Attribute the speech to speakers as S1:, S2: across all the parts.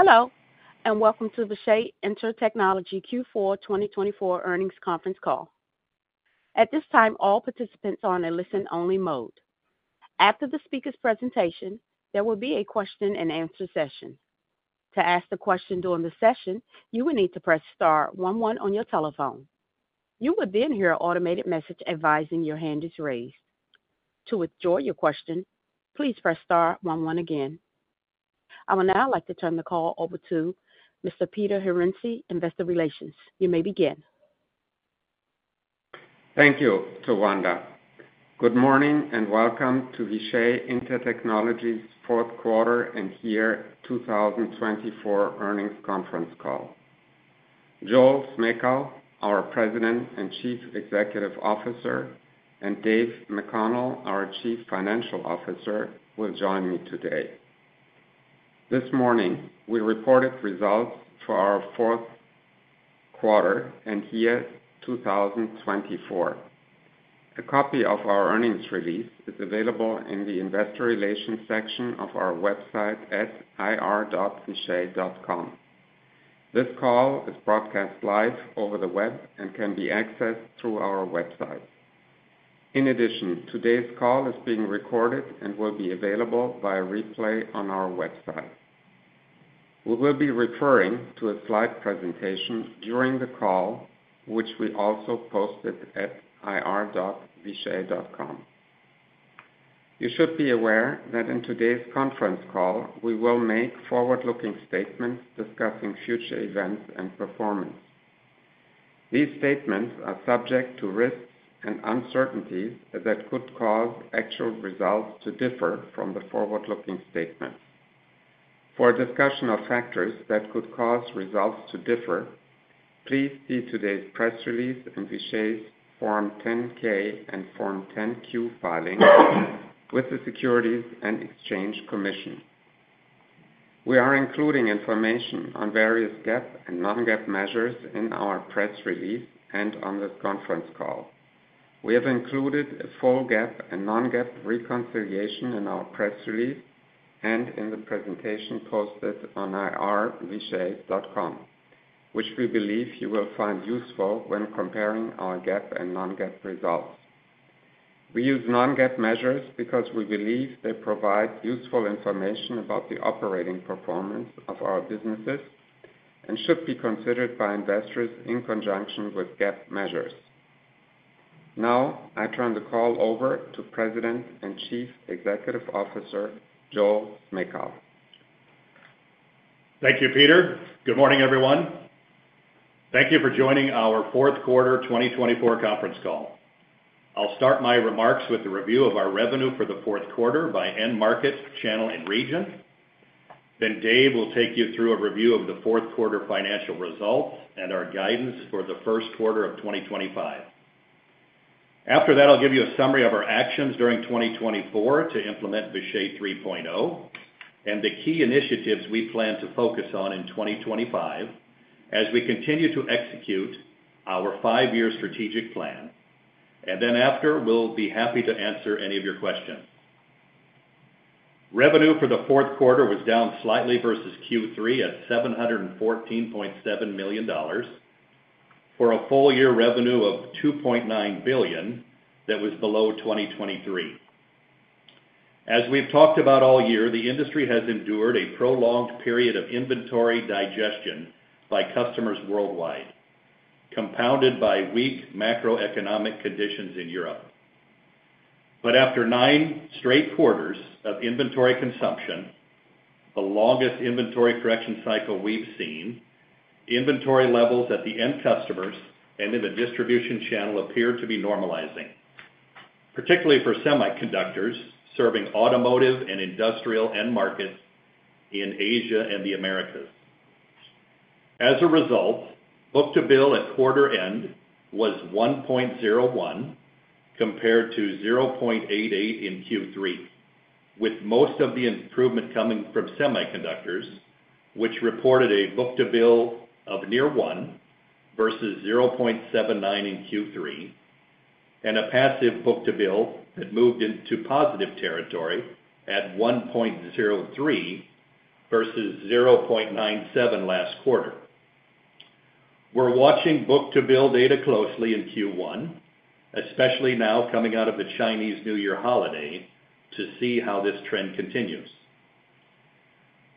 S1: Hello, and welcome to the Vishay Intertechnology Q4 2024 Earnings Conference Call. At this time, all participants are in a listen-only mode. After the speaker's presentation, there will be a question-and-answer session. To ask a question during the session, you will need to press star one one on your telephone. You will then hear an automated message advising your hand is raised. To withdraw your question, please press star one one again. I would now like to turn the call over to Mr. Peter Henrici, Investor Relations. You may begin.
S2: Thank you, Tawanda. Good morning and welcome to Vishay Intertechnology's Q4 and year 2024 Earnings Conference Call. Joel Smejkal, our President and Chief Executive Officer, and Dave McConnell, our Chief Financial Officer, will join me today. This morning, we reported results for our Q4 and year 2024. A copy of our earnings release is available in the Investor Relations section of our website at ir.vishay.com. This call is broadcast live over the web and can be accessed through our website. In addition, today's call is being recorded and will be available via replay on our website. We will be referring to a slide presentation during the call, which we also posted at ir.vishay.com. You should be aware that in today's conference call, we will make forward-looking statements discussing future events and performance. These statements are subject to risks and uncertainties that could cause actual results to differ from the forward-looking statements. For discussion of factors that could cause results to differ, please see today's press release and Vishay's Form 10-K and Form 10-Q filings with the Securities and Exchange Commission. We are including information on various GAAP and non-GAAP measures in our press release and on this conference call. We have included a full GAAP and non-GAAP reconciliation in our press release and in the presentation posted on ir.vishay.com, which we believe you will find useful when comparing our GAAP and non-GAAP results. We use non-GAAP measures because we believe they provide useful information about the operating performance of our businesses and should be considered by investors in conjunction with GAAP measures. Now, I turn the call over to President and Chief Executive Officer, Joel Smejkal.
S3: Thank you, Peter. Good morning, everyone. Thank you for joining our Q4 2024 Conference Call. I'll start my remarks with a review of our revenue for the Q4 by end market, channel, and region. Then Dave will take you through a review of the Q4 financial results and our guidance for the Q1 of 2025. After that, I'll give you a summary of our actions during 2024 to implement Vishay 3.0 and the key initiatives we plan to focus on in 2025 as we continue to execute our five-year strategic plan. And then after, we'll be happy to answer any of your questions. Revenue for the Q4 was down slightly versus Q3 at $714.7 million for a full-year revenue of $2.9 billion that was below 2023. As we've talked about all year, the industry has endured a prolonged period of inventory digestion by customers worldwide, compounded by weak macroeconomic conditions in Europe, but after nine straight quarters of inventory consumption, the longest inventory correction cycle we've seen, inventory levels at the end customers and in the distribution channel appear to be normalizing, particularly for semiconductors serving automotive and industrial end markets in Asia and the Americas. As a result, book-to-bill at quarter end was 1.01 compared to 0.88 in Q3, with most of the improvement coming from semiconductors, which reported a book-to-bill of near 1 versus 0.79 in Q3, and a passive book-to-bill that moved into positive territory at 1.03 versus 0.97 last quarter. We're watching book-to-bill data closely in Q1, especially now coming out of the Chinese New Year holiday, to see how this trend continues.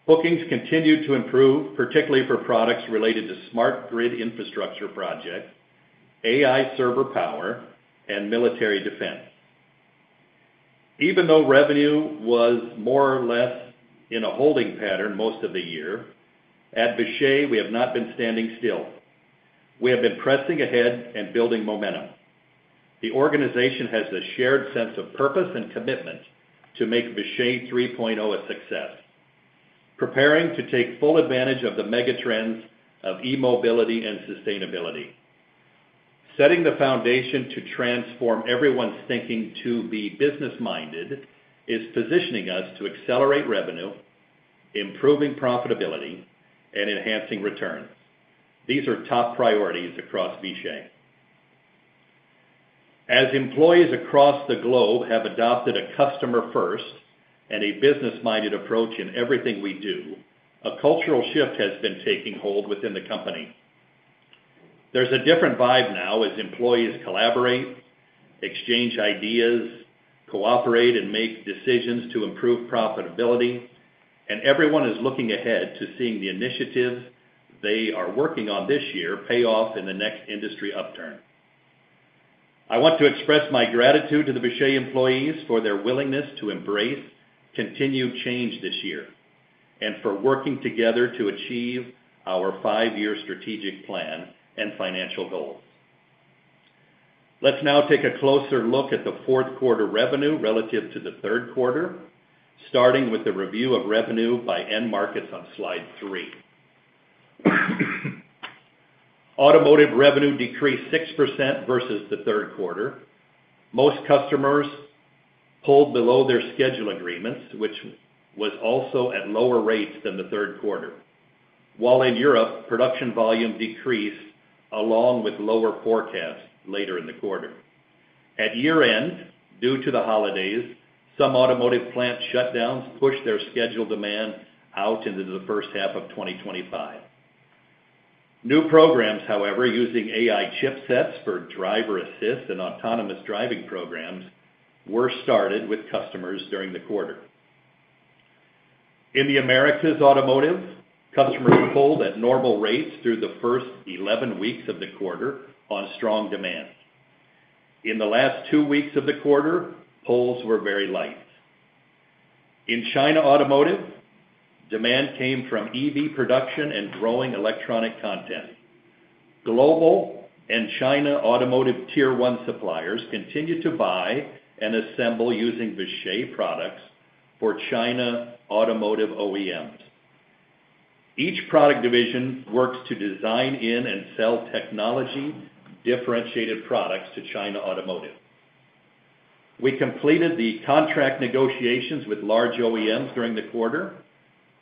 S3: Bookings continue to improve, particularly for products related to smart grid infrastructure projects, AI server power, and military defense. Even though revenue was more or less in a holding pattern most of the year, at Vishay, we have not been standing still. We have been pressing ahead and building momentum. The organization has a shared sense of purpose and commitment to make Vishay 3.0 a success, preparing to take full advantage of the megatrends of e-mobility and sustainability. Setting the foundation to transform everyone's thinking to be business-minded is positioning us to accelerate revenue, improving profitability, and enhancing returns. These are top priorities across Vishay. As employees across the globe have adopted a customer-first and a business-minded approach in everything we do, a cultural shift has been taking hold within the company. There's a different vibe now as employees collaborate, exchange ideas, cooperate, and make decisions to improve profitability, and everyone is looking ahead to seeing the initiatives they are working on this year pay off in the next industry upturn. I want to express my gratitude to the Vishay employees for their willingness to embrace continued change this year and for working together to achieve our five-year strategic plan and financial goals. Let's now take a closer look at the Q4 revenue relative to the Q3, starting with the review of revenue by end markets on slide three. Automotive revenue decreased 6% versus the Q3. Most customers pulled below their schedule agreements, which was also at lower rates than the Q3. While in Europe, production volume decreased along with lower forecasts later in the quarter. At year-end, due to the holidays, some automotive plant shutdowns pushed their schedule demand out into the first half of 2025. New programs, however, using AI chipsets for driver assist and autonomous driving programs, were started with customers during the quarter. In the Americas, automotive customers pulled at normal rates through the first 11 weeks of the quarter on strong demand. In the last two weeks of the quarter, pulls were very light. In China automotive, demand came from EV production and growing electronic content. Global and China automotive tier one suppliers continued to buy and assemble using Vishay products for China automotive OEMs. Each product division works to design in and sell technology-differentiated products to China automotive. We completed the contract negotiations with large OEMs during the quarter,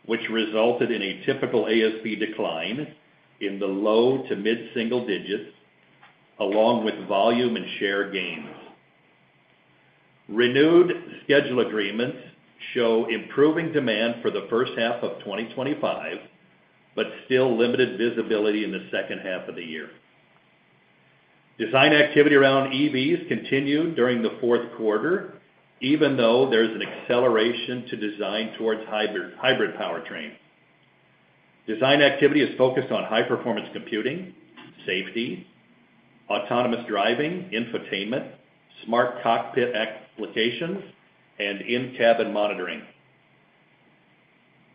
S3: which resulted in a typical ASP decline in the low to mid-single digits, along with volume and share gains. Renewed schedule agreements show improving demand for the first half of 2025, but still limited visibility in the second half of the year. Design activity around EVs continued during the Q4, even though there is an acceleration to design towards hybrid powertrains. Design activity is focused on high-performance computing, safety, autonomous driving, infotainment, smart cockpit applications, and in-cabin monitoring.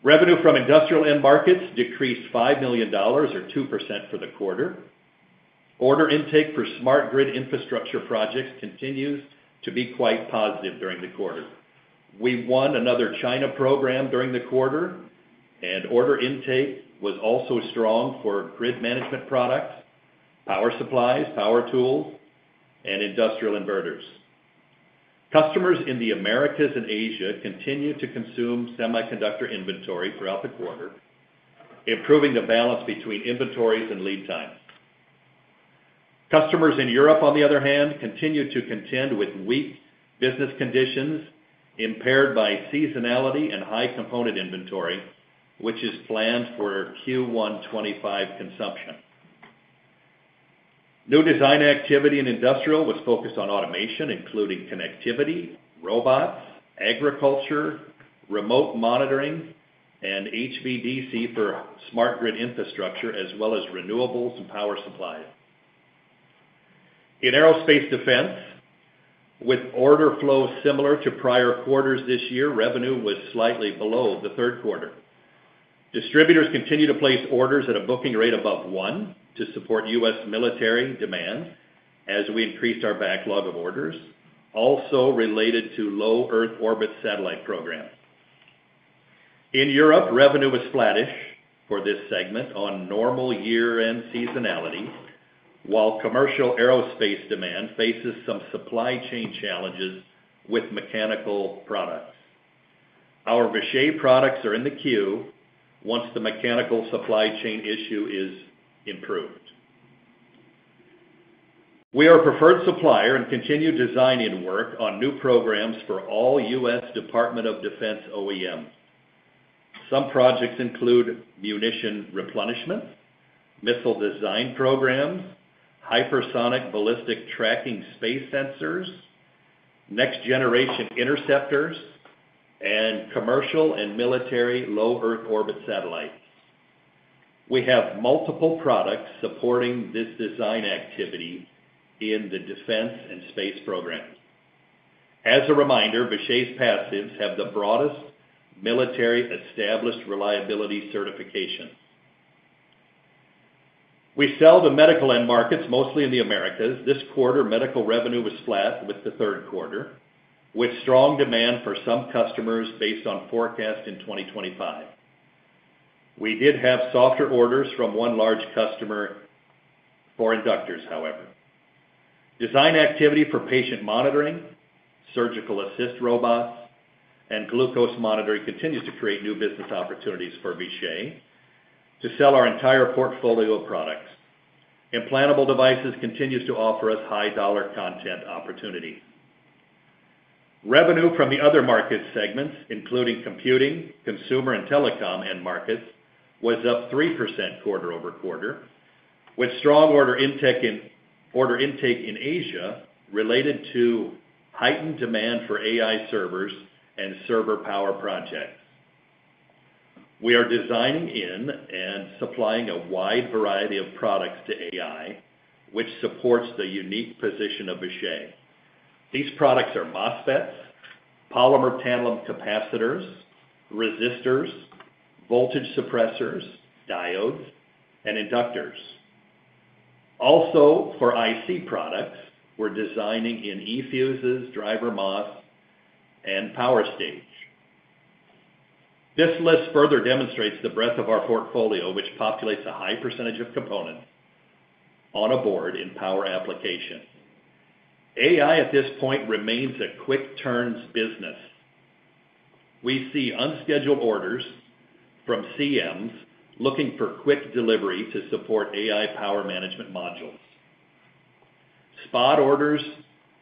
S3: Revenue from industrial end markets decreased $5 million or 2% for the quarter. Order intake for smart grid infrastructure projects continues to be quite positive during the quarter. We won another China program during the quarter, and order intake was also strong for grid management products, power supplies, power tools, and industrial inverters. Customers in the Americas and Asia continue to consume semiconductor inventory throughout the quarter, improving the balance between inventories and lead times. Customers in Europe, on the other hand, continue to contend with weak business conditions impaired by seasonality and high component inventory, which is planned for Q1 2025 consumption. New design activity in industrial was focused on automation, including connectivity, robots, agriculture, remote monitoring, and HVDC for smart grid infrastructure, as well as renewables and power supplies. In aerospace defense, with order flows similar to prior quarters this year, revenue was slightly below the Q3. Distributors continue to place orders at a booking rate above one to support US military demand as we increased our backlog of orders, also related to low Earth orbit satellite programs. In Europe, revenue was flattish for this segment on normal year-end seasonality, while commercial aerospace demand faces some supply chain challenges with mechanical products. Our Vishay products are in the queue once the mechanical supply chain issue is improved. We are a preferred supplier and continue designing work on new programs for all US Department of Defense OEMs. Some projects include munition replenishment, missile design programs, Hypersonic Ballistic Tracking Space Sensors, Next-Generation Interceptors, and commercial and military low Earth orbit satellites. We have multiple products supporting this design activity in the defense and space program. As a reminder, Vishay's passives have the broadest military established reliability certification. We sell to medical end markets, mostly in the Americas. This quarter, medical revenue was flat with the Q3, with strong demand for some customers based on forecast in 2025. We did have softer orders from one large customer for inductors, however. Design activity for patient monitoring, surgical assist robots, and glucose monitoring continues to create new business opportunities for Vishay to sell our entire portfolio of products. Implantable devices continues to offer us high dollar content opportunities. Revenue from the other market segments, including computing, consumer, and telecom end markets, was up 3% quarter-over-quarter, with strong order intake in Asia related to heightened demand for AI servers and server power projects. We are designing in and supplying a wide variety of products to AI, which supports the unique position of Vishay. These products are MOSFETs, polymer tantalum capacitors, resistors, voltage suppressors, diodes, and inductors. Also, for IC products, we're designing in eFuses, DrMOS, and power stage. This list further demonstrates the breadth of our portfolio, which populates a high percentage of components on a board in power application. AI at this point remains a quick turns business. We see unscheduled orders from CMs looking for quick delivery to support AI power management modules. Spot orders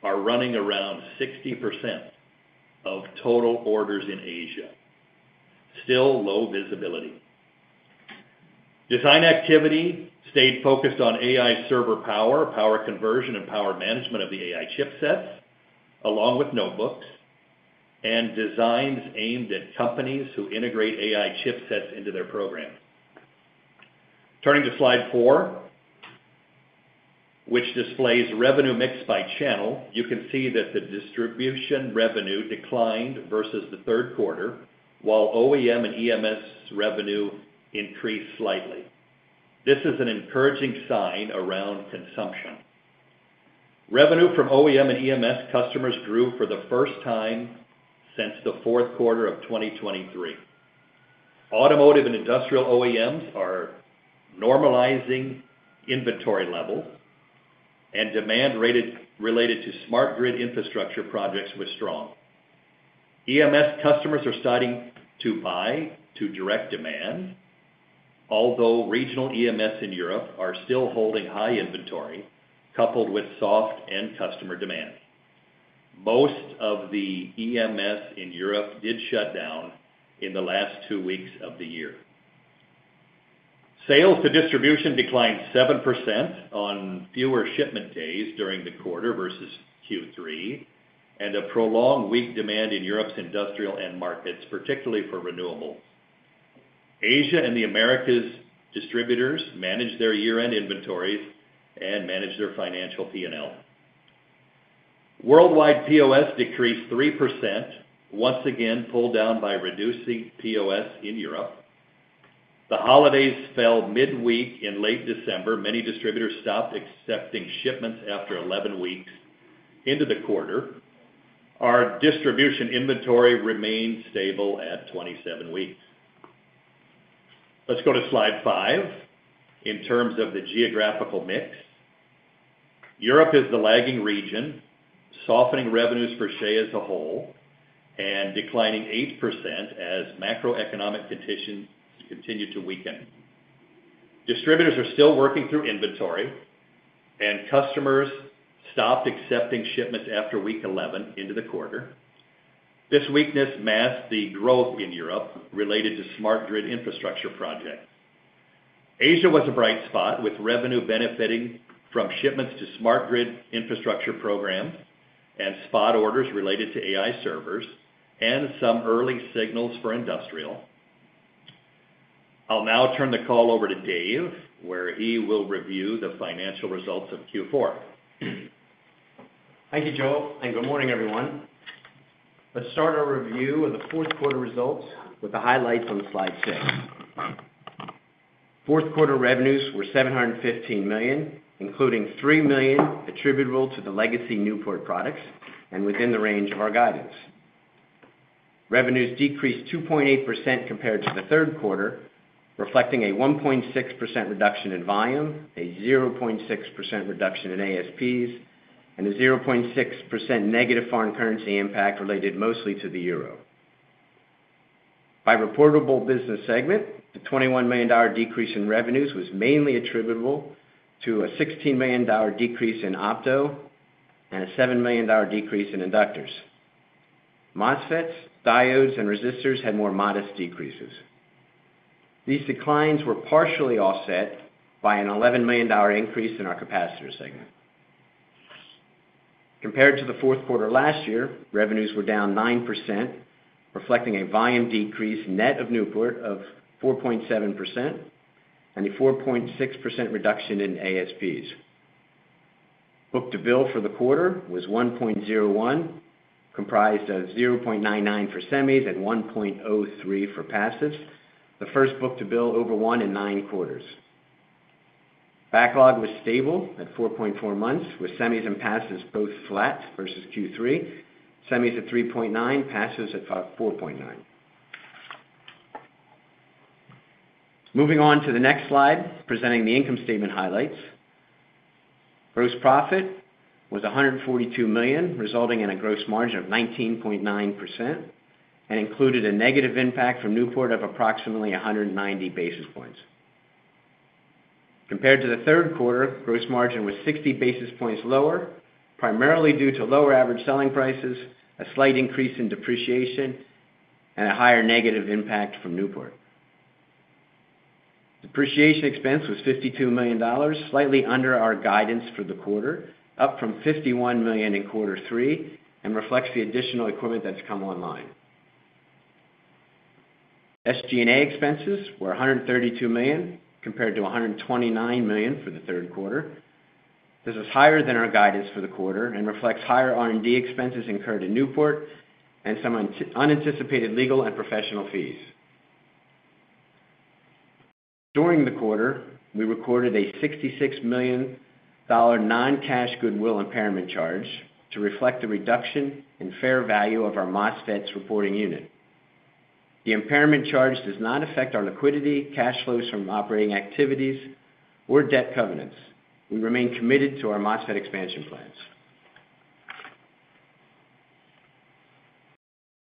S3: are running around 60% of total orders in Asia. Still low visibility. Design activity stayed focused on AI server power, power conversion, and power management of the AI chipsets, along with notebooks and designs aimed at companies who integrate AI chipsets into their programs. Turning to slide four, which displays revenue mix by channel, you can see that the distribution revenue declined versus the Q3, while OEM and EMS revenue increased slightly. This is an encouraging sign around consumption. Revenue from OEM and EMS customers grew for the first time since the Q4 of 2023. Automotive and industrial OEMs are normalizing inventory levels, and demand related to smart grid infrastructure projects was strong. EMS customers are starting to buy to direct demand, although regional EMS in Europe are still holding high inventory coupled with soft end customer demand. Most of the EMS in Europe did shut down in the last two weeks of the year. Sales to distribution declined 7% on fewer shipment days during the quarter versus Q3, and a prolonged weak demand in Europe's industrial end markets, particularly for renewables. Asia and the Americas distributors manage their year-end inventories and manage their financial P&L. Worldwide POS decreased 3%, once again pulled down by reducing POS in Europe. The holidays fell midweek in late December. Many distributors stopped accepting shipments after 11 weeks into the quarter. Our distribution inventory remained stable at 27 weeks. Let's go to slide five in terms of the geographical mix. Europe is the lagging region, softening revenues per share as a whole and declining 8% as macroeconomic conditions continue to weaken. Distributors are still working through inventory, and customers stopped accepting shipments after week 11 into the quarter. This weakness masked the growth in Europe related to smart grid infrastructure projects. Asia was a bright spot, with revenue benefiting from shipments to smart grid infrastructure programs and spot orders related to AI servers and some early signals for industrial. I'll now turn the call over to Dave, where he will review the financial results of Q4.
S4: Thank you, Joel, and good morning, everyone. Let's start our review of the Q4 results with the highlights on slide six. Q4 revenues were $715 million, including $3 million attributable to the legacy Newport products and within the range of our guidance. Revenues decreased 2.8% compared to the Q3, reflecting a 1.6% reduction in volume, a 0.6% reduction in ASPs, and a 0.6% negative foreign currency impact related mostly to the euro. By reportable business segment, the $21 million decrease in revenues was mainly attributable to a $16 million decrease in opto and a $7 million decrease in inductors. MOSFETs, diodes, and resistors had more modest decreases. These declines were partially offset by an $11 million increase in our capacitor segment. Compared to the Q4 last year, revenues were down 9%, reflecting a volume decrease net of Newport of 4.7% and a 4.6% reduction in ASPs. Book-to-bill for the quarter was 1.01, comprised of 0.99 for semis and 1.03 for passives. The first book-to-bill over one in nine quarters. Backlog was stable at 4.4 months, with semis and passives both flat versus Q3, semis at 3.9, passives at 4.9. Moving on to the next slide, presenting the income statement highlights. Gross profit was $142 million, resulting in a gross margin of 19.9% and included a negative impact from Newport of approximately 190 basis points. Compared to the Q3, gross margin was 60 basis points lower, primarily due to lower average selling prices, a slight increase in depreciation, and a higher negative impact from Newport. Depreciation expense was $52 million, slightly under our guidance for the quarter, up from $51 million in quarter three, and reflects the additional equipment that's come online. SG&A expenses were $132 million compared to $129 million for the Q3. This was higher than our guidance for the quarter and reflects higher R&D expenses incurred in Newport and some unanticipated legal and professional fees. During the quarter, we recorded a $66 million non-cash goodwill impairment charge to reflect the reduction in fair value of our MOSFETs reporting unit. The impairment charge does not affect our liquidity, cash flows from operating activities, or debt covenants. We remain committed to our MOSFET expansion plans.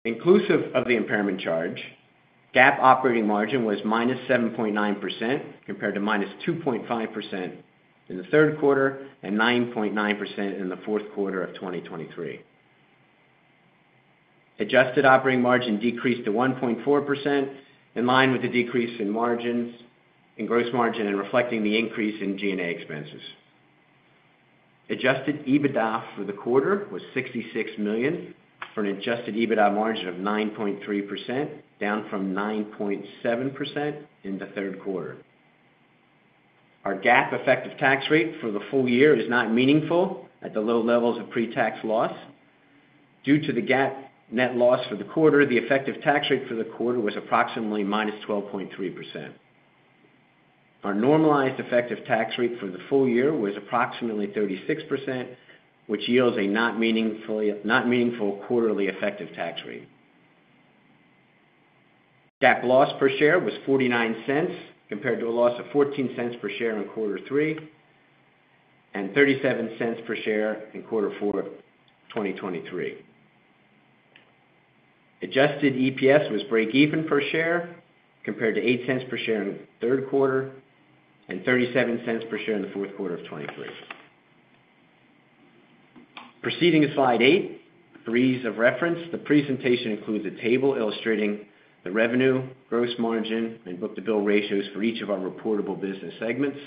S4: Inclusive of the impairment charge, GAAP operating margin was minus 7.9% compared to minus 2.5% in the Q3 and 9.9% in the Q4 of 2023. Adjusted operating margin decreased to 1.4% in line with the decrease in margins in gross margin and reflecting the increase in G&A expenses. Adjusted EBITDA for the quarter was $66 million for an adjusted EBITDA margin of 9.3%, down from 9.7% in the Q3. Our GAAP effective tax rate for the full year is not meaningful at the low levels of pre-tax loss. Due to the GAAP net loss for the quarter, the effective tax rate for the quarter was approximately minus 12.3%. Our normalized effective tax rate for the full year was approximately 36%, which yields a not meaningful quarterly effective tax rate. GAAP loss per share was $0.49 compared to a loss of $0.14 per share in quarter three and $0.37 per share in quarter four of 2023. Adjusted EPS was break-even per share compared to $0.08 per share in the Q3 and $0.37 per share in the Q4 of 2023. Proceeding to slide eight, for ease of reference. The presentation includes a table illustrating the revenue, gross margin, and book-to-bill ratios for each of our reportable business segments.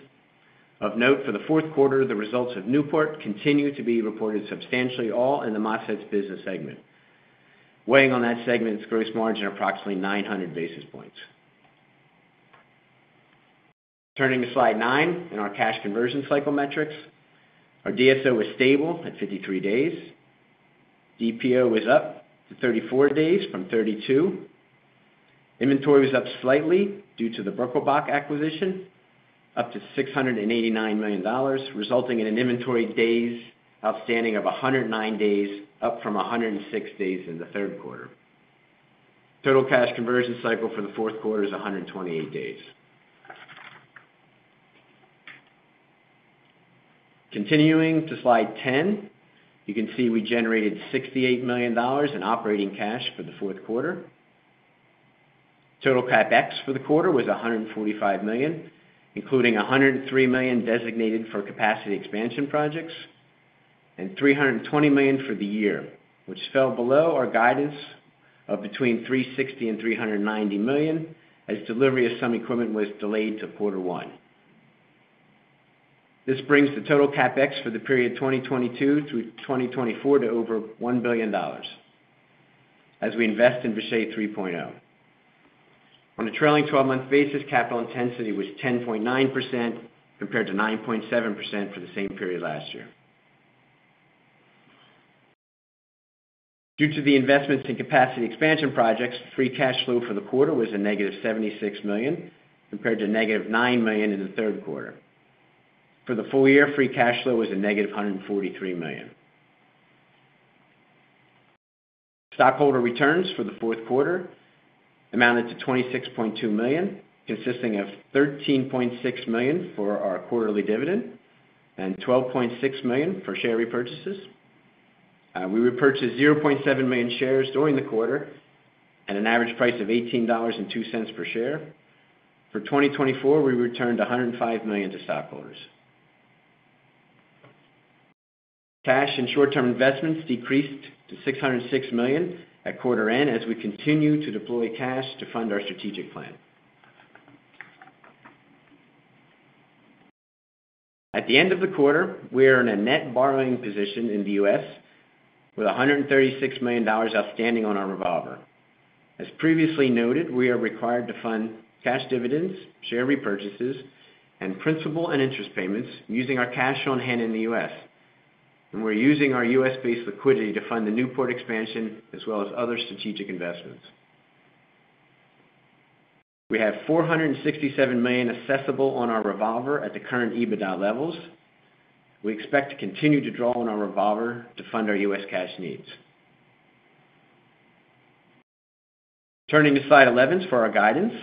S4: Of note, for the Q4, the results of Newport continue to be reported substantially all in the MOSFETs business segment, weighing on that segment's gross margin approximately 900 basis points. Turning to slide nine in our cash conversion cycle metrics, our DSO was stable at 53 days. DPO was up to 34 days from 32. Inventory was up slightly due to the Birkelbach acquisition, up to $689 million, resulting in an inventory days outstanding of 109 days, up from 106 days in the Q3. Total cash conversion cycle for the Q4 is 128 days. Continuing to slide 10, you can see we generated $68 million in operating cash for the Q4. Total CapEx for the quarter was $145 million, including $103 million designated for capacity expansion projects and $320 million for the year, which fell below our guidance of between $360 million and $390 million as delivery of some equipment was delayed to quarter one. This brings the total CapEx for the period 2022 through 2024 to over $1 billion as we invest in Vishay 3.0. On a trailing 12-month basis, capital intensity was 10.9% compared to 9.7% for the same period last year. Due to the investments in capacity expansion projects, free cash flow for the quarter was a negative $76 million compared to negative $9 million in the Q3. For the full year, free cash flow was a negative $143 million. Stockholder returns for the Q4 amounted to $26.2 million, consisting of $13.6 million for our quarterly dividend and $12.6 million for share repurchases. We repurchased 0.7 million shares during the quarter at an average price of $18.02 per share. For 2024, we returned $105 million to stockholders. Cash and short-term investments decreased to $606 million at quarter end as we continue to deploy cash to fund our strategic plan. At the end of the quarter, we are in a net borrowing position in the US with $136 million outstanding on our revolver. As previously noted, we are required to fund cash dividends, share repurchases, and principal and interest payments using our cash on hand in the US We're using our US-based liquidity to fund the Newport expansion as well as other strategic investments. We have $467 million available on our revolver at the current EBITDA levels. We expect to continue to draw on our revolver to fund our US cash needs. Turning to slide 11 for our guidance,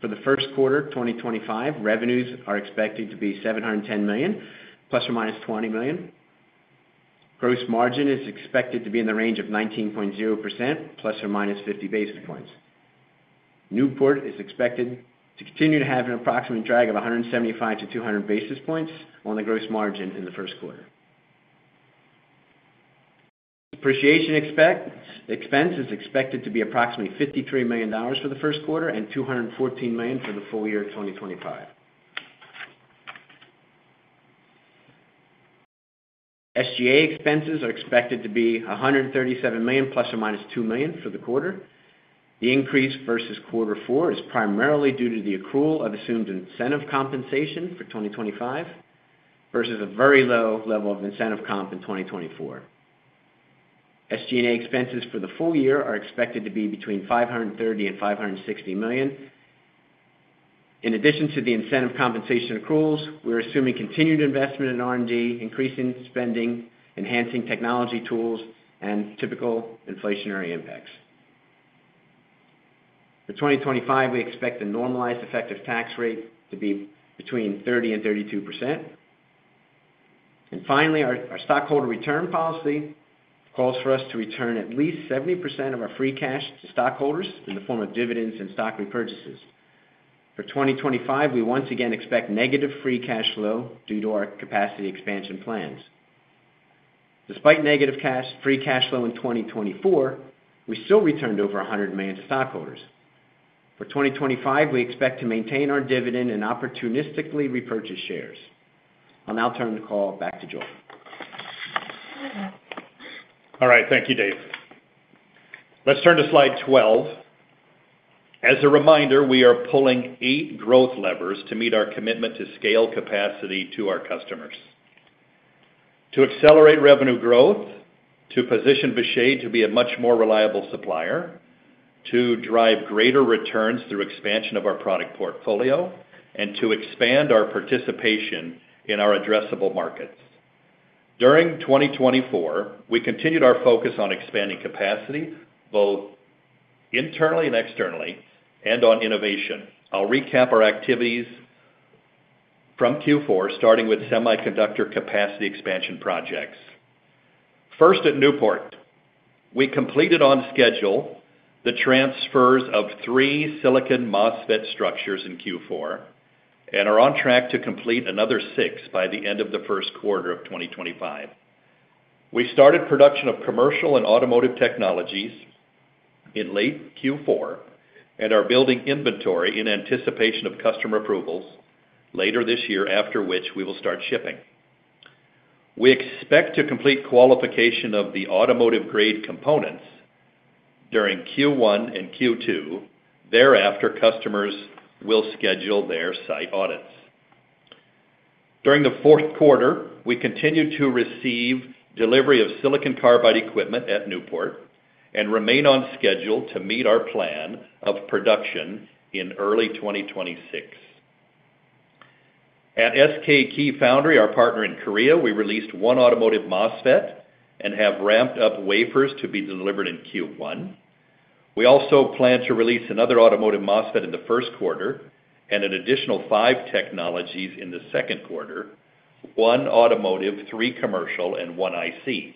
S4: for the Q1 of 2025, revenues are expected to be $710 million, plus or minus $20 million. Gross margin is expected to be in the range of 19.0%, plus or minus 50 basis points. Newport is expected to continue to have an approximate drag of 175-200 basis points on the gross margin in the Q1. Depreciation expense is expected to be approximately $53 million for the Q1 and $214 million for the full year of 2025. SG&A expenses are expected to be $137 million, plus or minus $2 million for the quarter. The increase versus Q4 is primarily due to the accrual of assumed incentive compensation for 2025 versus a very low level of incentive comp in 2024. SG&A expenses for the full year are expected to be between $530 million and $560 million. In addition to the incentive compensation accruals, we're assuming continued investment in R&D, increasing spending, enhancing technology tools, and typical inflationary impacts. For 2025, we expect the normalized effective tax rate to be between 30% and 32%, and finally, our stockholder return policy calls for us to return at least 70% of our free cash to stockholders in the form of dividends and stock repurchases. For 2025, we once again expect negative free cash flow due to our capacity expansion plans. Despite negative free cash flow in 2024, we still returned over $100 million to stockholders. For 2025, we expect to maintain our dividend and opportunistically repurchase shares. I'll now turn the call back to Joel.
S3: All right. Thank you, Dave. Let's turn to slide 12. As a reminder, we are pulling eight growth levers to meet our commitment to scale capacity to our customers, to accelerate revenue growth, to position Vishay to be a much more reliable supplier, to drive greater returns through expansion of our product portfolio, and to expand our participation in our addressable markets. During 2024, we continued our focus on expanding capacity, both internally and externally, and on innovation. I'll recap our activities from Q4, starting with semiconductor capacity expansion projects. First, at Newport, we completed on schedule the transfers of three silicon MOSFET structures in Q4 and are on track to complete another six by the end of the Q1 of 2025. We started production of commercial and automotive technologies in late Q4 and are building inventory in anticipation of customer approvals later this year, after which we will start shipping. We expect to complete qualification of the automotive-grade components during Q1 and Q2. Thereafter, customers will schedule their site audits. During the Q4, we continued to receive delivery of silicon carbide equipment at Newport and remain on schedule to meet our plan of production in early 2026. At SK Keyfoundry, our partner in Korea, we released one automotive MOSFET and have ramped up wafers to be delivered in Q1. We also plan to release another automotive MOSFET in the Q1 and an additional five technologies in the Q2, one automotive, three commercial, and one IC.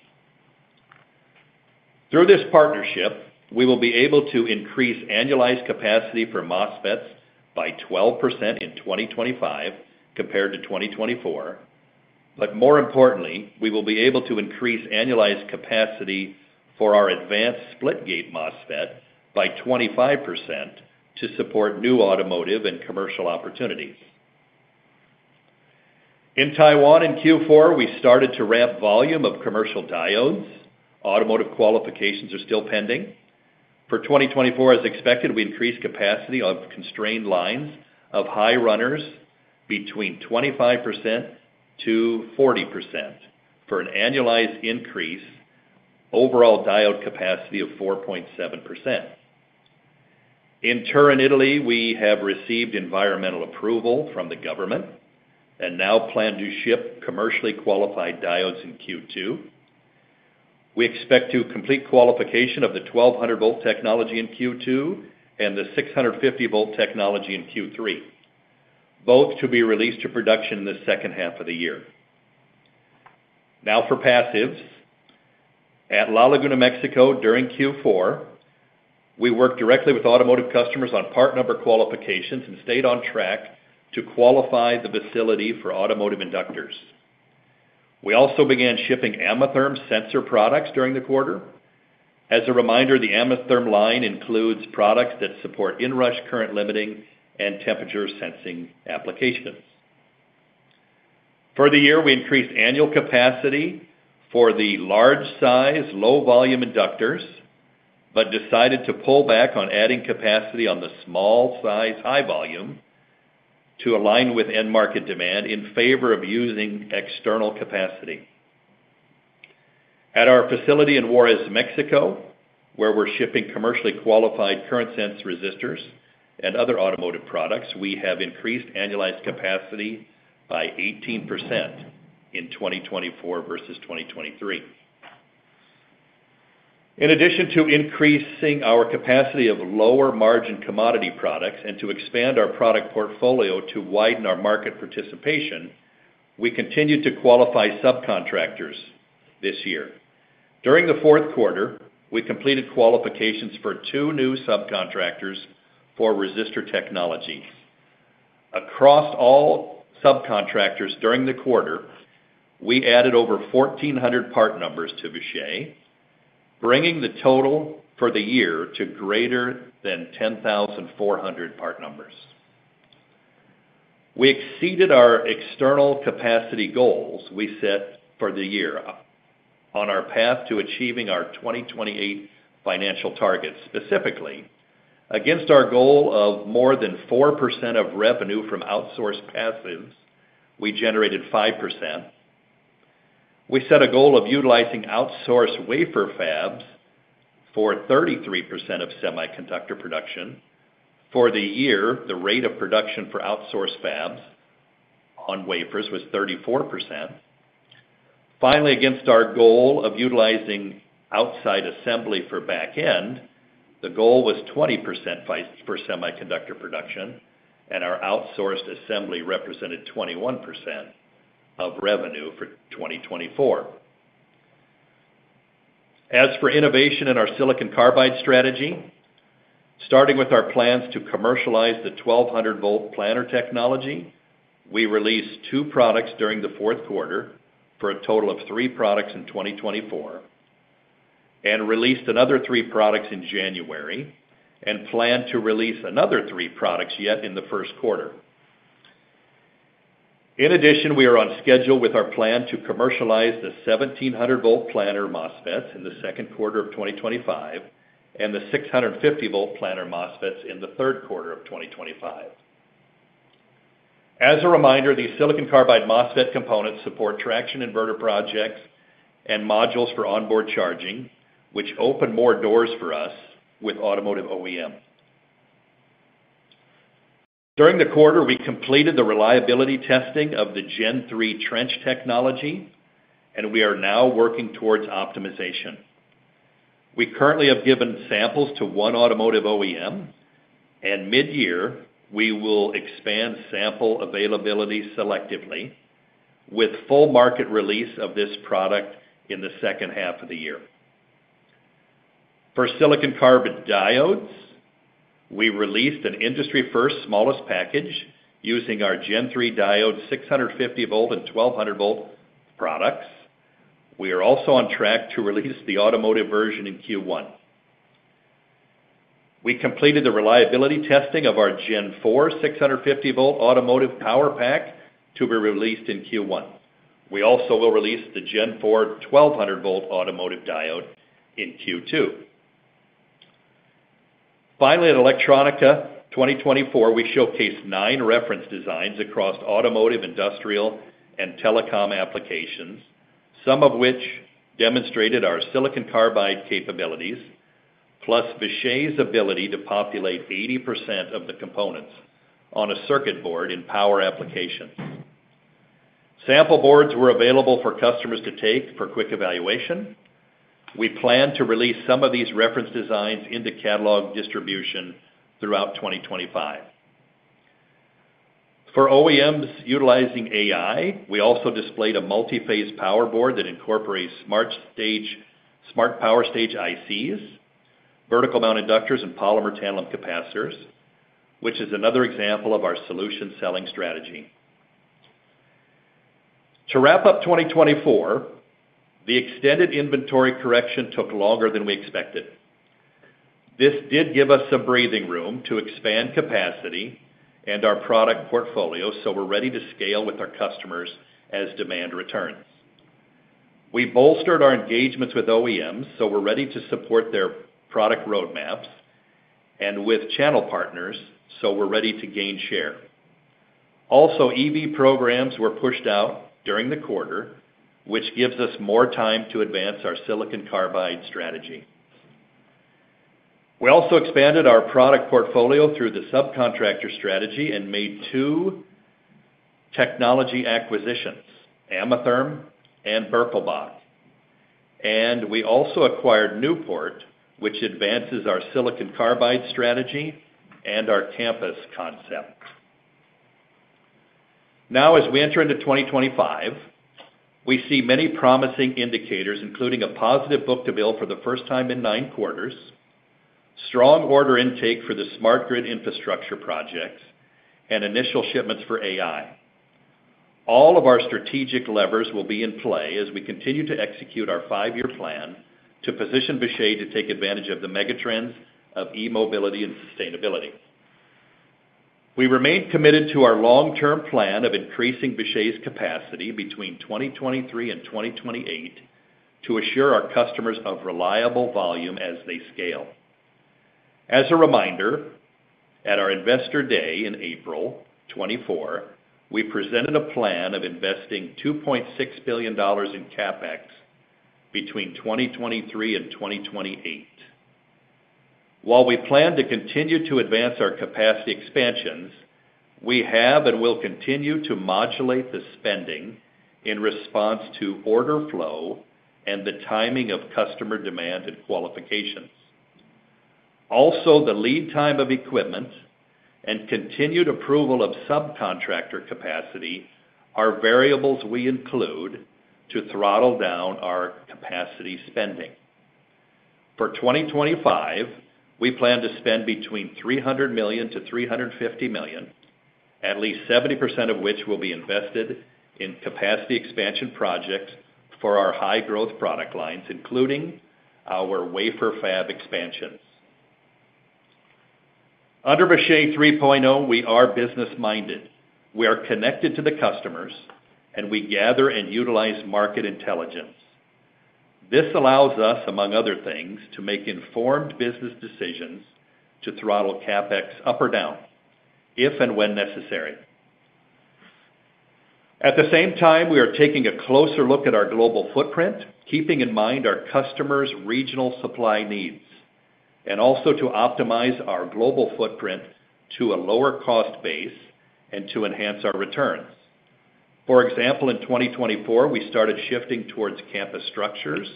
S3: Through this partnership, we will be able to increase annualized capacity for MOSFETs by 12% in 2025 compared to 2024. But more importantly, we will be able to increase annualized capacity for our advanced split gate MOSFET by 25% to support new automotive and commercial opportunities. In Taiwan in Q4, we started to ramp volume of commercial diodes. Automotive qualifications are still pending. For 2024, as expected, we increased capacity of constrained lines of high runners between 25%-40% for an annualized increase, overall diode capacity of 4.7%. In Turin, Italy, we have received environmental approval from the government and now plan to ship commercially qualified diodes in Q2. We expect to complete qualification of the 1200-volt technology in Q2 and the 650-volt technology in Q3, both to be released to production in the second half of the year. Now for passives. At La Laguna, Mexico, during Q4, we worked directly with automotive customers on part number qualifications and stayed on track to qualify the facility for automotive inductors. We also began shipping Ametherm sensor products during the quarter. As a reminder, the Ametherm line includes products that support inrush current limiting and temperature sensing applications. For the year, we increased annual capacity for the large-size, low-volume inductors but decided to pull back on adding capacity on the small-size, high-volume to align with end-market demand in favor of using external capacity. At our facility in Juarez, Mexico, where we're shipping commercially qualified current sense resistors and other automotive products, we have increased annualized capacity by 18% in 2024 versus 2023. In addition to increasing our capacity of lower-margin commodity products and to expand our product portfolio to widen our market participation, we continued to qualify subcontractors this year. During the Q4, we completed qualifications for two new subcontractors for resistor technology. Across all subcontractors during the quarter, we added over 1,400 part numbers to Vishay, bringing the total for the year to greater than 10,400 part numbers. We exceeded our external capacity goals we set for the year on our path to achieving our 2028 financial targets. Specifically, against our goal of more than 4% of revenue from outsourced passives, we generated 5%. We set a goal of utilizing outsourced wafer fabs for 33% of semiconductor production. For the year, the rate of production for outsourced fabs on wafers was 34%. Finally, against our goal of utilizing outside assembly for back-end, the goal was 20% priced for semiconductor production, and our outsourced assembly represented 21% of revenue for 2024. As for innovation in our silicon carbide strategy, starting with our plans to commercialize the 1,200-volt planar technology, we released two products during the Q4 for a total of three products in 2024 and released another three products in January and plan to release another three products yet in the Q1. In addition, we are on schedule with our plan to commercialize the 1,700-volt planar MOSFETs in the Q2 of 2025 and the 650-volt planar MOSFETs in the Q3 of 2025. As a reminder, the silicon carbide MOSFET components support traction inverter projects and modules for onboard charging, which open more doors for us with automotive OEM. During the quarter, we completed the reliability testing of the Gen3 trench technology, and we are now working towards optimization. We currently have given samples to one automotive OEM, and mid-year, we will expand sample availability selectively with full market release of this product in the second half of the year. For silicon carbide diodes, we released an industry-first smallest package using our Gen3 diode 650-volt and 1,200-volt products. We are also on track to release the automotive version in Q1. We completed the reliability testing of our Gen4 650-volt automotive power pack to be released in Q1. We also will release the Gen4 1,200-volt automotive diode in Q2. Finally, at Electronica 2024, we showcased nine reference designs across automotive, industrial, and telecom applications, some of which demonstrated our silicon carbide capabilities, plus Vishay's ability to populate 80% of the components on a circuit board in power applications. Sample boards were available for customers to take for quick evaluation. We plan to release some of these reference designs into catalog distribution throughout 2025. For OEMs utilizing AI, we also displayed a multi-phase power board that incorporates Smart Power Stage ICs, vertical mount inductors, and polymer tantalum capacitors, which is another example of our solution selling strategy. To wrap up 2024, the extended inventory correction took longer than we expected. This did give us some breathing room to expand capacity and our product portfolio, so we're ready to scale with our customers as demand returns. We bolstered our engagements with OEMs, so we're ready to support their product roadmaps and with channel partners, so we're ready to gain share. Also, EV programs were pushed out during the quarter, which gives us more time to advance our silicon carbide strategy. We also expanded our product portfolio through the subcontractor strategy and made two technology acquisitions, Ametherm and Birkelbach. And we also acquired Newport, which advances our silicon carbide strategy and our campus concept. Now, as we enter into 2025, we see many promising indicators, including a positive book-to-bill for the first time in nine quarters, strong order intake for the smart grid infrastructure projects, and initial shipments for AI. All of our strategic levers will be in play as we continue to execute our five-year plan to position Vishay to take advantage of the megatrends of e-mobility and sustainability. We remain committed to our long-term plan of increasing Vishay's capacity between 2023 and 2028 to assure our customers of reliable volume as they scale. As a reminder, at our investor day in April 2024, we presented a plan of investing $2.6 billion in CapEx between 2023 and 2028. While we plan to continue to advance our capacity expansions, we have and will continue to modulate the spending in response to order flow and the timing of customer demand and qualifications. Also, the lead time of equipment and continued approval of subcontractor capacity are variables we include to throttle down our capacity spending. For 2025, we plan to spend between $300 to 350 million, at least 70% of which will be invested in capacity expansion projects for our high-growth product lines, including our wafer fab expansions. Under Vishay 3.0, we are business-minded. We are connected to the customers, and we gather and utilize market intelligence. This allows us, among other things, to make informed business decisions to throttle CapEx up or down if and when necessary. At the same time, we are taking a closer look at our global footprint, keeping in mind our customers' regional supply needs, and also to optimize our global footprint to a lower cost base and to enhance our returns. For example, in 2024, we started shifting towards campus structures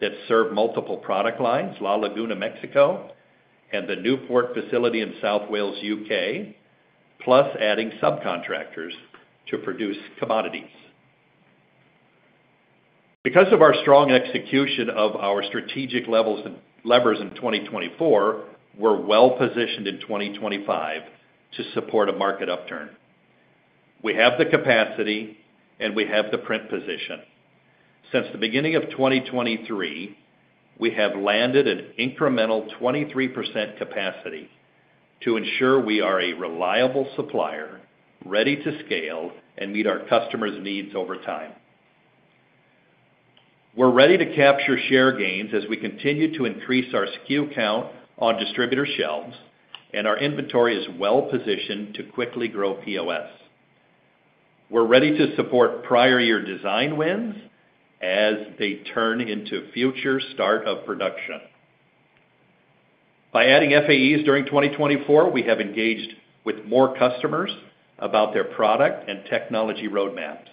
S3: that serve multiple product lines: La Laguna, Mexico, and the Newport facility in South Wales, U.K., plus adding subcontractors to produce commodities. Because of our strong execution of our strategic levers in 2024, we're well positioned in 2025 to support a market upturn. We have the capacity, and we have the print position. Since the beginning of 2023, we have landed an incremental 23% capacity to ensure we are a reliable supplier ready to scale and meet our customers' needs over time. We're ready to capture share gains as we continue to increase our SKU count on distributor shelves, and our inventory is well positioned to quickly grow POS. We're ready to support prior-year design wins as they turn into future start of production. By adding FAEs during 2024, we have engaged with more customers about their product and technology roadmaps.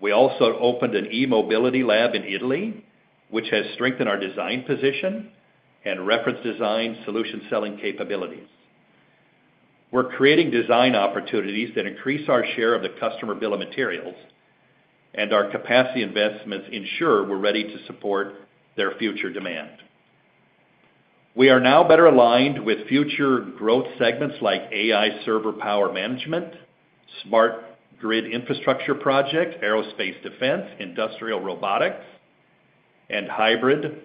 S3: We also opened an e-mobility lab in Italy, which has strengthened our design position and reference design solution selling capabilities. We're creating design opportunities that increase our share of the customer bill of materials, and our capacity investments ensure we're ready to support their future demand. We are now better aligned with future growth segments like AI server power management, smart grid infrastructure projects, aerospace defense, industrial robotics, and hybrid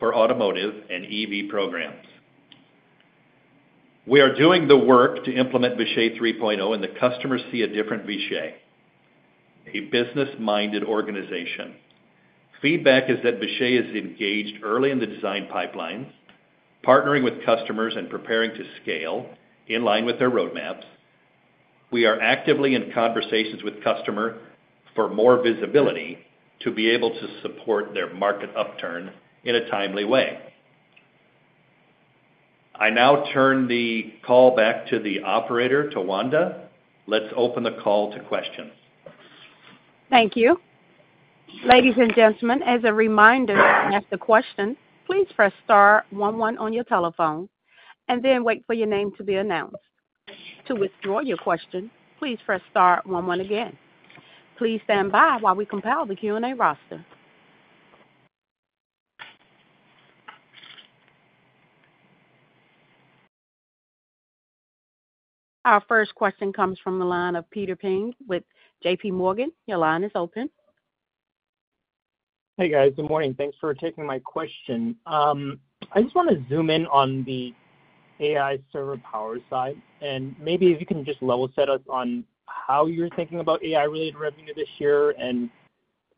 S3: for automotive and EV programs. We are doing the work to implement Vishay 3.0, and the customers see a different Vishay, a business-minded organization. Feedback is that Vishay is engaged early in the design pipelines, partnering with customers and preparing to scale in line with their roadmaps. We are actively in conversations with customers for more visibility to be able to support their market upturn in a timely way. I now turn the call back to the operator, Tawanda. Let's open the call to questions.
S1: Thank you. Ladies and gentlemen, as a reminder, to ask a question, please press star one one on your telephone and then wait for your name to be announced. To withdraw your question, please press star one one again. Please stand by while we compile the Q&A roster. Our first question comes from the line of Peter Peng with J.P. Morgan. Your line is open.
S5: Hey, guys. Good morning. Thanks for taking my question. I just want to zoom in on the AI server power side, and maybe if you can just level set us on how you're thinking about AI-related revenue this year and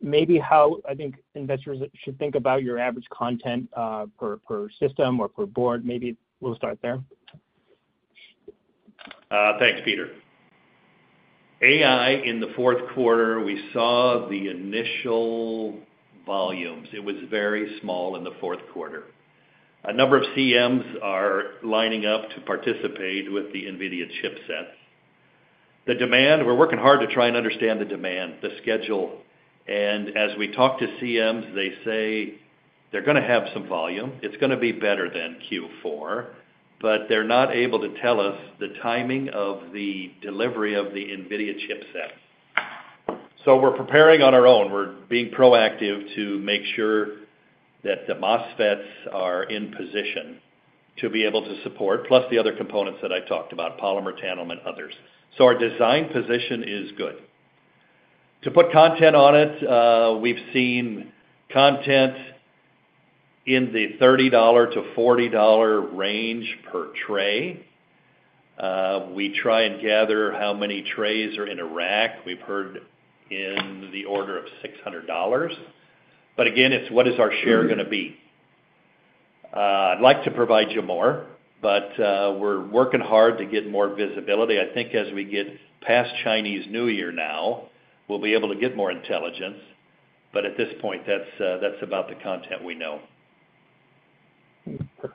S5: maybe how I think investors should think about your average content per system or per board. Maybe we'll start there.
S3: Thanks, Peter. AI in the Q4, we saw the initial volumes. It was very small in the Q4. A number of CMs are lining up to participate with the NVIDIA chipsets. We're working hard to try and understand the demand, the schedule, and as we talk to CMs, they say they're going to have some volume. It's going to be better than Q4, but they're not able to tell us the timing of the delivery of the NVIDIA chipset. So we're preparing on our own. We're being proactive to make sure that the MOSFETs are in position to be able to support, plus the other components that I talked about, polymer tantalum and others. So our design position is good. To put content on it, we've seen content in the $30-40 range per tray. We try and gather how many trays are in a rack. We've heard in the order of $600. But again, it's what is our share going to be? I'd like to provide you more, but we're working hard to get more visibility. I think as we get past Chinese New Year now, we'll be able to get more intelligence. But at this point, that's about the content wke know.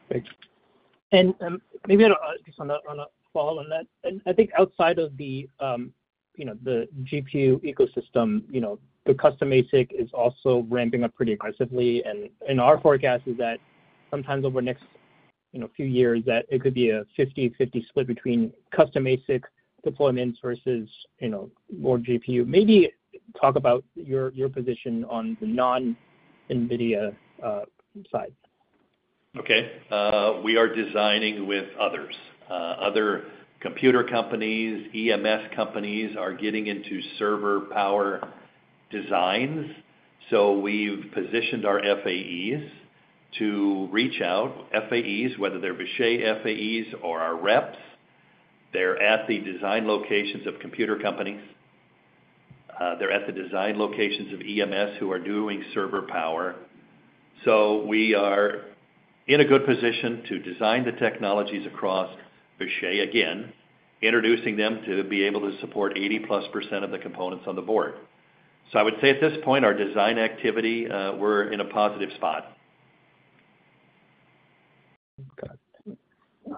S5: Perfect. And maybe I'll just follow on that. I think outside of the GPU ecosystem, the custom ASIC is also ramping up pretty aggressively. And our forecast is that sometimes over the next few years, that it could be a 50/50 split between custom ASIC deployments versus more GPU. Maybe talk about your position on the non-NVIDIA side.
S3: Okay. We are designing with others. Other computer companies, EMS companies are getting into server power designs. So we've positioned our FAEs to reach out. FAEs, whether they're Vishay FAEs or our reps, they're at the design locations of computer companies. They're at the design locations of EMS who are doing server power. So we are in a good position to design the technologies across Vishay, again, introducing them to be able to support 80%+ of the components on the board. So I would say at this point, our design activity, we're in a positive spot.
S5: Got it.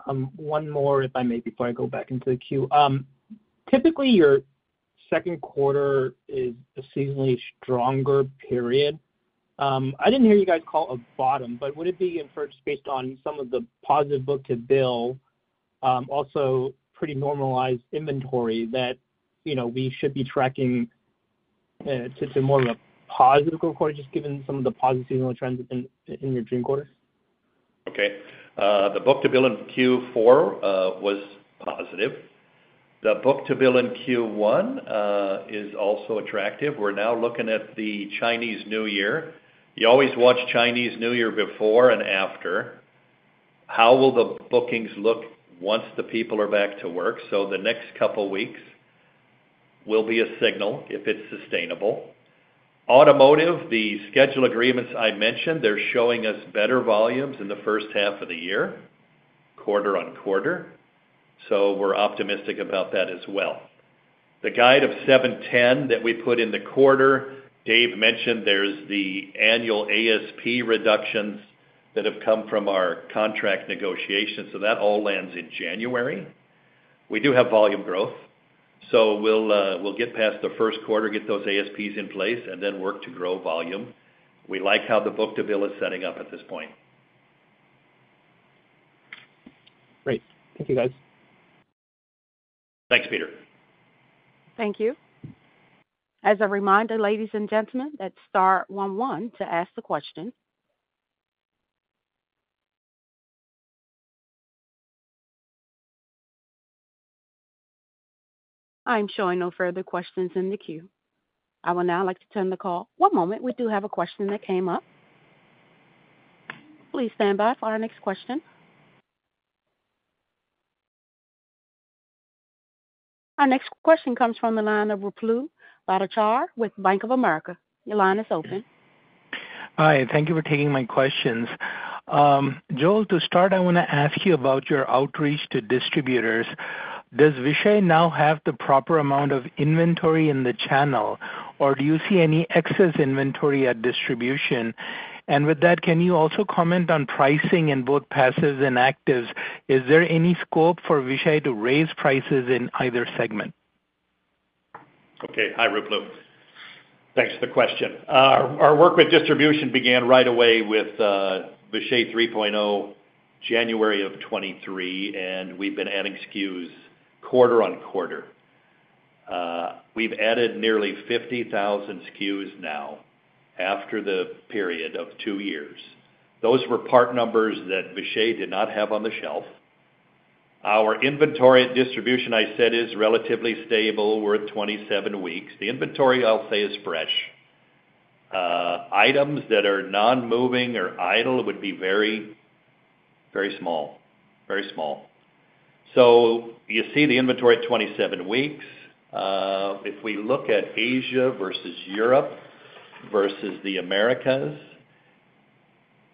S5: One more, if I may, before I go back into the queue. Typically, your Q2 is a seasonally stronger period. I didn't hear you guys call a bottom, but would it be in part just based on some of the positive book-to-bill, also pretty normalized inventory that we should be tracking to more of a positive quarter, just given some of the positive seasonal trends in your June quarters?
S3: Okay. The book-to-bill in Q4 was positive. The book-to-bill in Q1 is also attractive. We're now looking at the Chinese New Year. You always watch Chinese New Year before and after. How will the bookings look once the people are back to work? So the next couple of weeks will be a signal if it's sustainable. Automotive, the schedule agreements I mentioned, they're showing us better volumes in the first half of the year, quarter-on-quarter. So we're optimistic about that as well. The guide of 710 that we put in the quarter, Dave mentioned there's the annual ASP reductions that have come from our contract negotiations. So that all lands in January. We do have volume growth. So we'll get past the Q1, get those ASPs in place, and then work to grow volume. We like how the book-to-bill is setting up at this point.
S5: Great. Thank you, guys.
S3: Thanks, Peter.
S1: Thank you. As a reminder, ladies and gentlemen, that's star one one to ask a question. I'm showing no further questions in the queue. I would now like to turn the call. One moment. We do have a question that came up. Please stand by for our next question. Our next question comes from the line of Ruplu Bhattacharya with Bank of America. Your line is open.
S6: Hi. Thank you for taking my questions. Joel, to start, I want to ask you about your outreach to distributors. Does Vishay now have the proper amount of inventory in the channel, or do you see any excess inventory at distribution? And with that, can you also comment on pricing in both passives and actives? Is there any scope for Vishay to raise prices in either segment?
S3: Okay. Hi, Ruplu. Thanks for the question. Our work with distribution began right away with Vishay 3.0, January of 2023, and we've been adding SKUs quarter-on-quarter. We've added nearly 50,000 SKUs now after the period of two years. Those were part numbers that Vishay did not have on the shelf. Our inventory at distribution, I said, is relatively stable. We're at 27 weeks. The inventory, I'll say, is fresh. Items that are non-moving or idle would be very, very small, very small. So you see the inventory at 27 weeks. If we look at Asia versus Europe versus the Americas,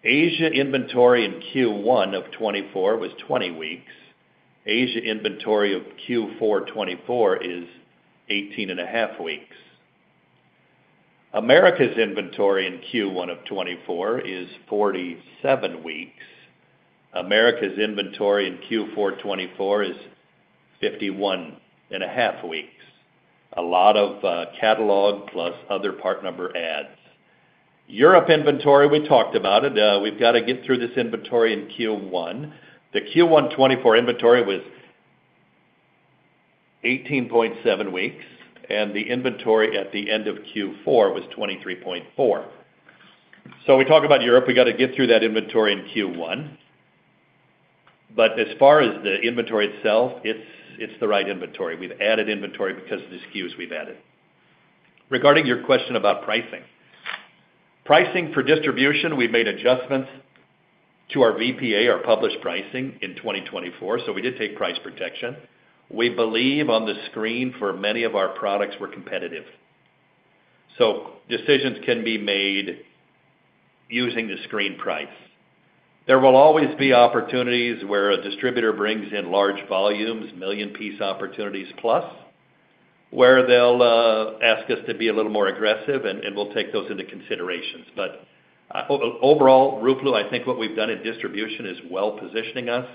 S3: Asia inventory in Q1 of 2024 was 20 weeks. Asia inventory of Q4 2024 is 18.5 weeks. Americas inventory in Q1 of 2024 is 47 weeks. Americas inventory in Q4 2024 is 51.5 weeks. A lot of catalog plus other part number adds. Europe inventory, we talked about it. We've got to get through this inventory in Q1. The Q1 2024 inventory was 18.7 weeks, and the inventory at the end of Q4 was 23.4. So we talk about Europe. We got to get through that inventory in Q1. But as far as the inventory itself, it's the right inventory. We've added inventory because of the SKUs we've added. Regarding your question about pricing, pricing for distribution, we've made adjustments to our VPA, our published pricing in 2024. So we did take price protection. We believe on the screen for many of our products were competitive. So decisions can be made using the screen price. There will always be opportunities where a distributor brings in large volumes, million-piece opportunities, plus where they'll ask us to be a little more aggressive, and we'll take those into consideration. But overall, Ruplu, I think what we've done in distribution is well positioning us.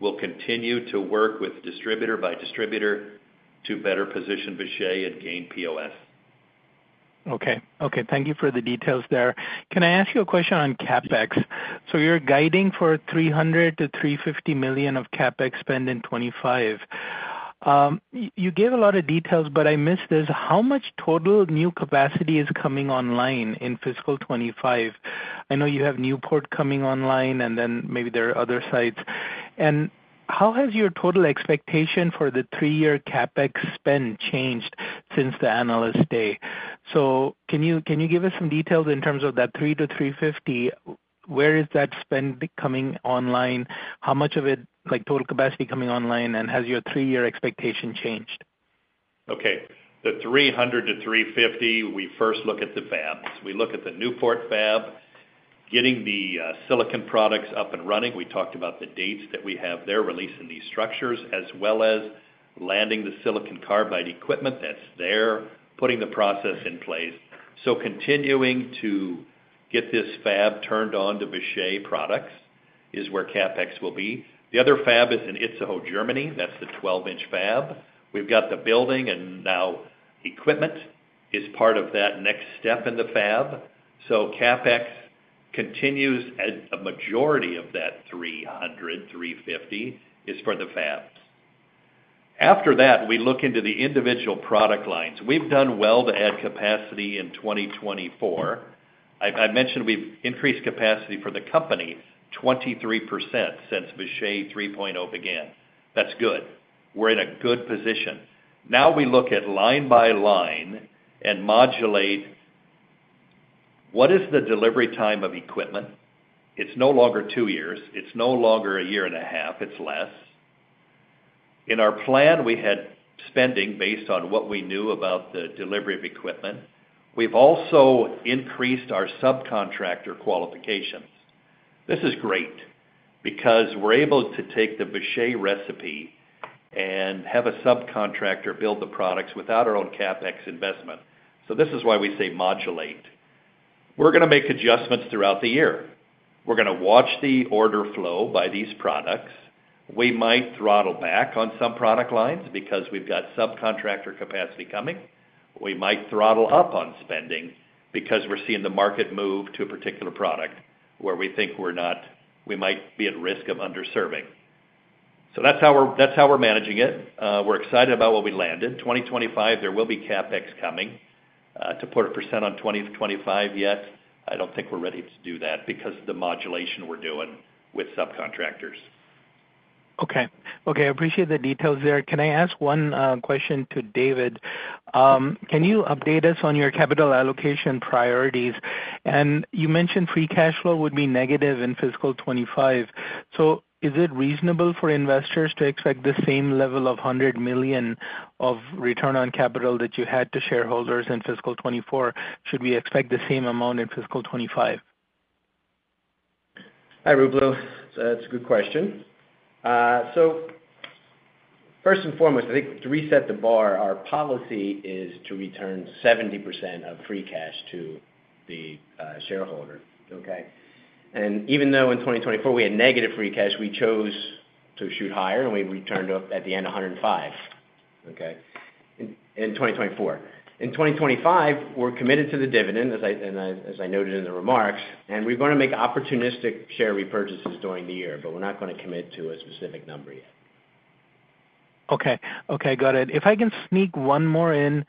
S3: We'll continue to work with distributor by distributor to better position Vishay and gain POS.
S6: Okay. Okay. Thank you for the details there. Can I ask you a question on CapEx? So you're guiding for $300 to 350 million of CapEx spend in 2025. You gave a lot of details, but I missed this. How much total new capacity is coming online in fiscal 2025? I know you have Newport coming online, and then maybe there are other sites. How has your total expectation for the three-year CapEx spend changed since the analyst day? So can you give us some details in terms of that $300 to 350 million? Where is that spend coming online? How much of it, like total capacity coming online, and has your three-year expectation changed?
S3: Okay. The $300 to 350 million, we first look at the fabs. We look at the Newport fab, getting the silicon products up and running. We talked about the dates that we have there releasing these structures, as well as landing the silicon carbide equipment that's there, putting the process in place. Continuing to get this fab turned on to Vishay products is where CapEx will be. The other fab is in Itzehoe, Germany. That's the 12-inch fab. We've got the building, and now equipment is part of that next step in the fab. CapEx continues as a majority of that $300-350 million is for the fabs. After that, we look into the individual product lines. We've done well to add capacity in 2024. I mentioned we've increased capacity for the company 23% since Vishay 3.0 began. That's good. We're in a good position. Now we look at line by line and modulate. What is the delivery time of equipment? It's no longer two years. It's no longer a year and a half. It's less. In our plan, we had spending based on what we knew about the delivery of equipment. We've also increased our subcontractor qualifications. This is great because we're able to take the Vishay recipe and have a subcontractor build the products without our own CapEx investment. So this is why we say modulate. We're going to make adjustments throughout the year. We're going to watch the order flow by these products. We might throttle back on some product lines because we've got subcontractor capacity coming. We might throttle up on spending because we're seeing the market move to a particular product where we think we're not, we might be at risk of underserving. So that's how we're managing it. We're excited about what we landed. 2025, there will be CapEx coming. To put a percent on 2025 yet, I don't think we're ready to do that because of the modulation we're doing with subcontractors.
S6: Okay. Okay. I appreciate the details there. Can I ask Q1uestion to David? Can you update us on your capital allocation priorities? And you mentioned free cash flow would be negative in fiscal 2025. So is it reasonable for investors to expect the same level of $100 million of return on capital that you had to shareholders in fiscal 2024? Should we expect the same amount in fiscal 2025?
S4: Hi, Ruplu. That's a good question. So first and foremost, I think to reset the bar, our policy is to return 70% of free cash to the shareholder. Okay? And even though in 2024 we had negative free cash, we chose to shoot higher, and we returned up at the end $105 million, okay, in 2024. In 2025, we're committed to the dividend, as I noted in the remarks, and we're going to make opportunistic share repurchases during the year, but we're not going to commit to a specific number yet.
S6: Okay. Okay. Got it. If I can sneak one more in,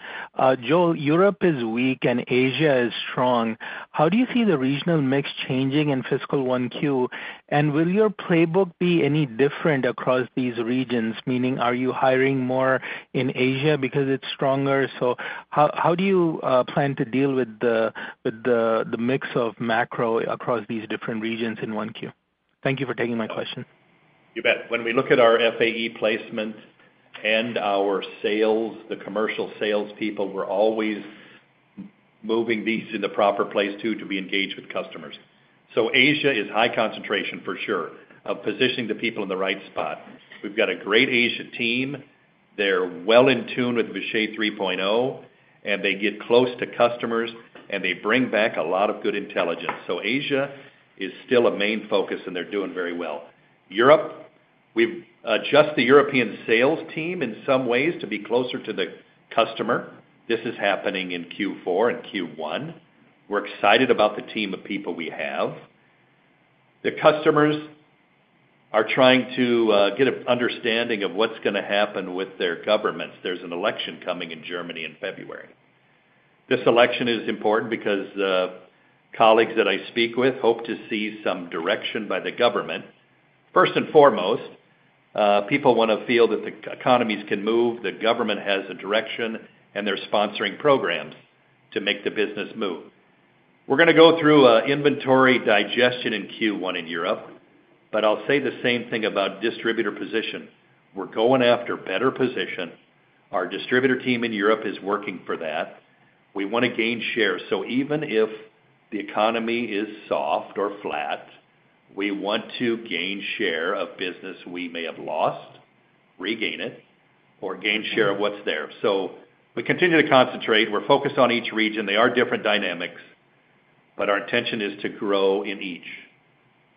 S6: Joel, Europe is weak and Asia is strong. How do you see the regional mix changing in fiscal Q1? And will your playbook be any different across these regions? Meaning, are you hiring more in Asia because it's stronger? So how do you plan to deal with the mix of macro across these different regions in Q1? Thank you for taking my question.
S3: You bet. When we look at our FAE placement and our sales, the commercial salespeople, we're always moving these to the proper place too to be engaged with customers. So Asia is high concentration, for sure, of positioning the people in the right spot. We've got a great Asia team. They're well in tune with Vishay 3.0, and they get close to customers, and they bring back a lot of good intelligence. So Asia is still a main focus, and they're doing very well. Europe, we've adjusted the European sales team in some ways to be closer to the customer. This is happening in Q4 and Q1. We're excited about the team of people we have. The customers are trying to get an understanding of what's going to happen with their governments. There's an election coming in Germany in February. This election is important because colleagues that I speak with hope to see some direction by the government. First and foremost, people want to feel that the economies can move, the government has a direction, and they're sponsoring programs to make the business move. We're going to go through inventory digestion in Q1 in Europe, but I'll say the same thing about distributor position. We're going after better position. Our distributor team in Europe is working for that. We want to gain share. So even if the economy is soft or flat, we want to gain share of business we may have lost, regain it, or gain share of what's there. So we continue to concentrate. We're focused on each region. They are different dynamics, but our intention is to grow in each.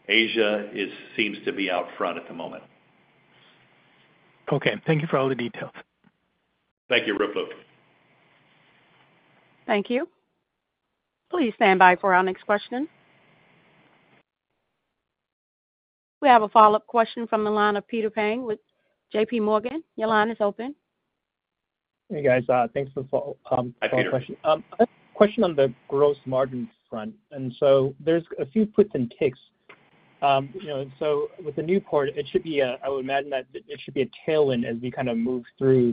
S3: Asia seems to be out front at the moment.
S6: Okay. Thank you for all the details.
S3: Thank you, Ruplu.
S1: Thank you. Please stand by for our next question. We have a follow-up question from the line of Peter Peng with JP Morgan. Your line is open.
S5: Hey, guys. Thanks for the follow-up question. I have a question on the gross margin front, and so there's a few puts and takes, so with the Newport, it should be, I would imagine that it should be a tailwind as we kind of move through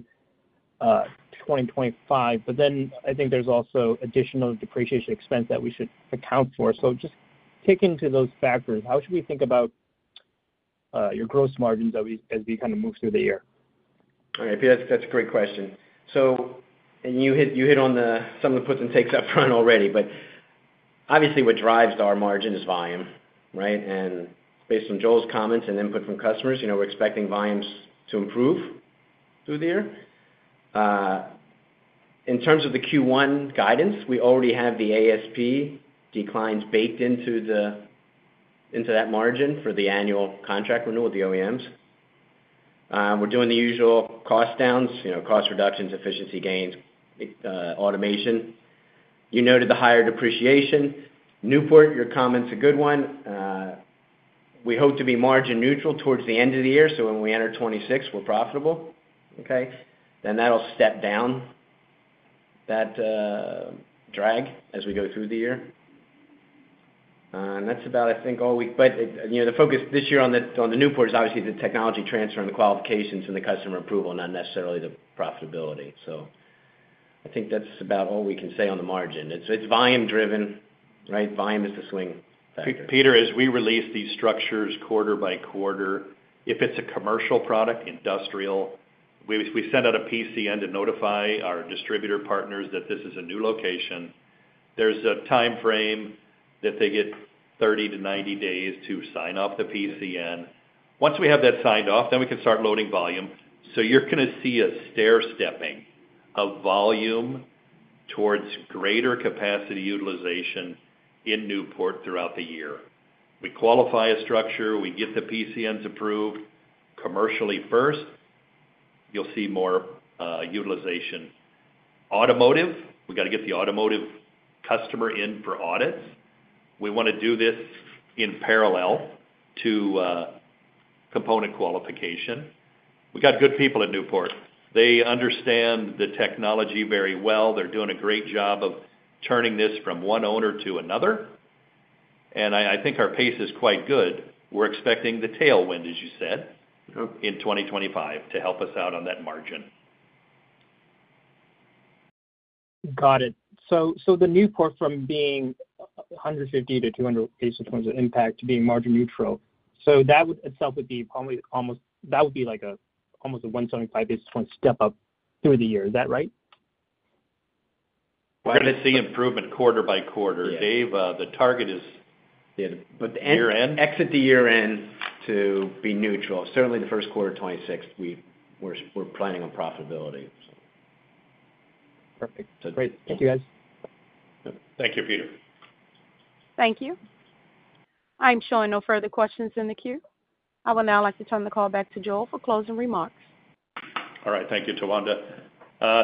S5: 2025. But then I think there's also additional depreciation expense that we should account for. So just take into those factors. How should we think about your gross margins as we kind of move through the year?
S4: All right. That's a great question. And you hit on some of the puts and takes up front already, but obviously what drives our margin is volume, right? And based on Joel's comments and input from customers, we're expecting volumes to improve through the year. In terms of the Q1 guidance, we already have the ASP declines baked into that margin for the annual contract renewal, the OEMs. We're doing the usual cost downs, cost reductions, efficiency gains, automation. You noted the higher depreciation. Newport, your comment's a good one. We hope to be margin neutral towards the end of the year. So when we enter 2026, we're profitable. Okay? Then that'll step down that drag as we go through the year. And that's about, I think, all we have, but the focus this year on the Newport is obviously the technology transfer and the qualifications and the customer approval, not necessarily the profitability. So I think that's about all we can say on the margin. It's volume-driven, right? Volume is the swing factor.
S3: Peter, as we release these structures quarter by quarter, if it's a commercial product, industrial, we send out a PCN to notify our distributor partners that this is a new location. There's a timeframe that they get 30 to 90 days to sign off the PCN. Once we have that signed off, then we can start loading volume. So you're going to see a stair stepping of volume towards greater capacity utilization in Newport throughout the year. We qualify a structure. We get the PCNs approved commercially first. You'll see more utilization. Automotive, we got to get the automotive customer in for audits. We want to do this in parallel to component qualification. We got good people at Newport. They understand the technology very well. They're doing a great job of turning this from one owner to another. And I think our pace is quite good. We're expecting the tailwind, as you said, in 2025 to help us out on that margin.
S5: Got it. So the Newport from being 150 to 200 basis points of impact to being margin neutral. So that would itself be almost like a 175 basis point step up through the year. Is that right?
S3: We're going to see improvement quarter by quarter. Dave, the target is year-end. Exit the year-end to be neutral. Certainly. The Q1 2026, we're planning on profitability.
S5: Perfect. Great. Thank you, guys.
S3: Thank you, Peter.
S1: Thank you. I'm showing no further questions in the queue. I will now like to turn the call back to Joel for closing remarks.
S3: All right. Thank you, Tawanda.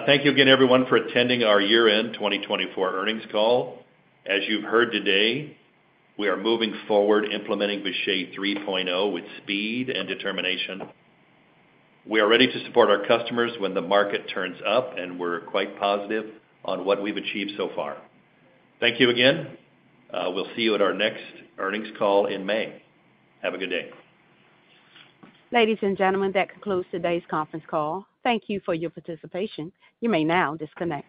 S3: Thank you again, everyone, for attending our Year-End 2024 Earnings Call. As you've heard today, we are moving forward implementing Vishay 3.0 with speed and determination. We are ready to support our customers when the market turns up, and we're quite positive on what we've achieved so far. Thank you again. We'll see you at our next earnings call in May. Have a good day.
S1: Ladies and gentlemen, that concludes today's conference call. Thank you for your participation. You may now disconnect.